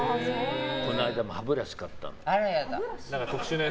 この間も歯ブラシ買ったの。